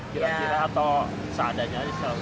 kira kira atau seadanya